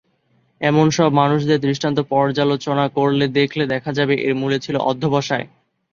এমন সব মানুষদের দৃষ্টান্ত পর্যালোচনা করলে দেখলে দেখা যাবে এর মূলে ছিল অধ্যবসায়।